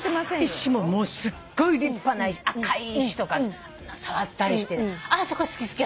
石ももうすっごい立派な赤い石とか触ったりしてあそこ好き好き私。